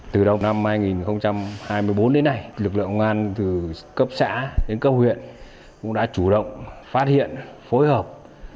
từ đầu năm hai nghìn hai mươi bốn đến nay lực lượng công an từ cấp xã đến cấp huyện cũng đã chủ động phát hiện phối hợp